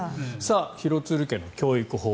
廣津留家の教育法。